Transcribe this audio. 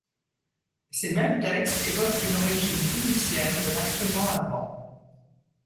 Ces mêmes textes évoquent une origine phénicienne de l'instrument à vent.